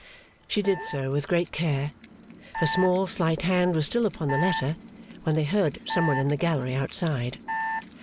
She did so with great care. Her small, slight hand was still upon the letter, when they heard some one in the gallery outside.